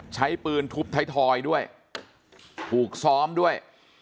ใช้ปืนทุบไทยทอยด้วยถูกซ้อมด้วย